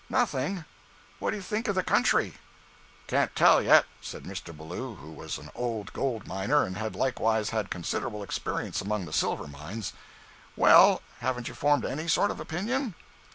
"Nothing? What do you think of the country?" "Can't tell, yet," said Mr. Ballou, who was an old gold miner, and had likewise had considerable experience among the silver mines. "Well, haven't you formed any sort of opinion?"